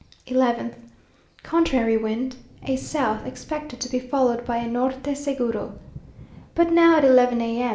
11th. Contrary wind. A south, expected to be followed by a "norte seguro." But now, at eleven, A.M.